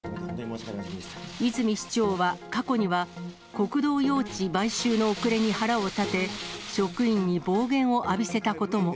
泉市長は、過去には国道用地買収の遅れに腹を立て、職員に暴言を浴びせたことも。